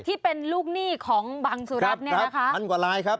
ที่เป็นลูกหนี้ของบังสุรัตน์เนี่ยนะคะพันกว่าลายครับ